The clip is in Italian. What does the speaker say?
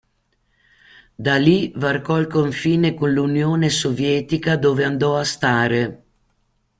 Da lì varcò il confine con l'Unione Sovietica dove andò a stare.